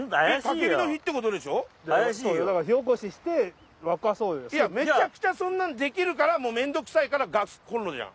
焚き火の火ってことでしょ？やめちゃくちゃそんなんできるからう面倒くさいからガスコンロじゃん。